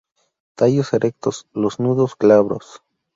Tallos erectos, los nudos glabros.